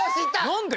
何で？